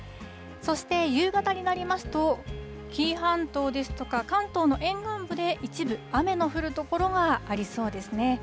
そして夕方になりますと、紀伊半島ですとか、関東の沿岸部で一部雨の降る所がありそうですね。